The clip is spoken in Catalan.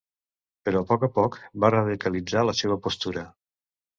Però a poc a poc va radicalitzar la seva postura.